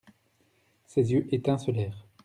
Ses yeux étincelèrent.